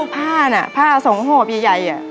ผ้าน่ะผ้าสองหอบใหญ่